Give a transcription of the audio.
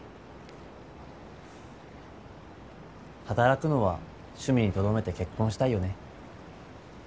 働くのは趣味にとどめて結婚したいよね